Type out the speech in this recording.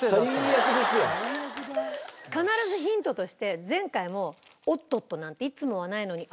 必ずヒントとして前回もおっとっとなんていつもはないのにあった。